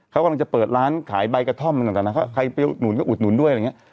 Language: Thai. เขากำลังจะเปิดร้านขายใบกระท่อมต่างนะใครไปอุดหนุนก็อุดหนุนด้วยอะไรอย่างนี้